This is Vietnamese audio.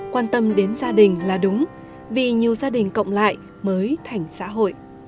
quan tâm đến gia đình là đúng vì nhiều gia đình cộng lại mới thành xã hội